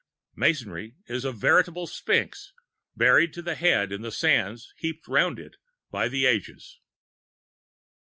Masonry is the veritable Sphinx, buried to the head in the sands heaped round it by the ages.